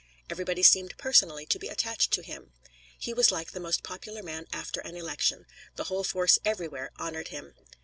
Everybody seemed personally to be attached to him. He was like the most popular man after an election the whole force everywhere honored him.